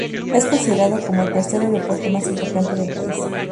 Es considerado como el tercer aeropuerto más importante del país.